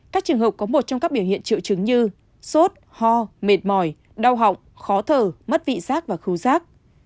các trường hợp có một trong các biểu hiện triệu chứng như sốt ho mệt mỏi đau họng khó thở mất vị giác và khô rác